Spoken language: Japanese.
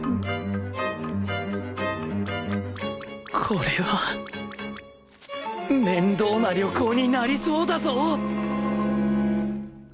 これは面倒な旅行になりそうだぞ！